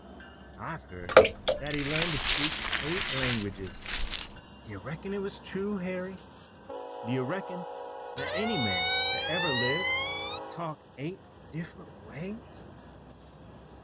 I've heard that he learned to speak eight languages. Do you reckon it was true, Harry? Do you reckon that any man that ever lived could talk eight different ways?"